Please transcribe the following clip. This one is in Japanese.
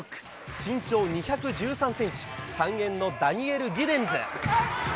身長２１３センチ、三遠のダニエル・ギデンズ。